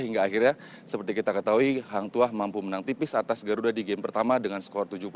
hingga akhirnya seperti kita ketahui hangtua mampu menang tipis atas garuda di game pertama dengan skor tujuh puluh satu